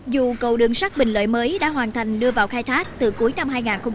dù cầu đường sắt bình lợi mới đã hoàn thành đưa vào khai thác từ cuối năm hai nghìn một mươi chín